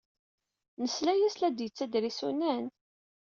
Nesla-as la d-yettader isunan?